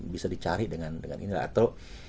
bisa dicari dengan ini atau